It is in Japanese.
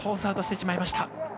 アウトしてしまいました。